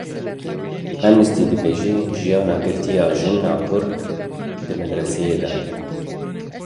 Amnesty dibêje; jiyana girtiya jin a kurd di metirsiyê de ye.